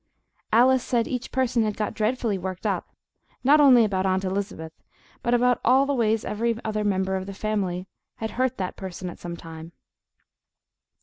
Alice said each person had got dreadfully worked up, not only about Aunt Elizabeth, but about all the ways every other member of the family had hurt that person at some time.